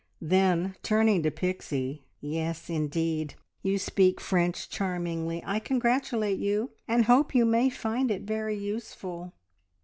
Then turning to Pixie "Yes, indeed, you speak French charmingly. I congratulate you, and hope you may find it very useful.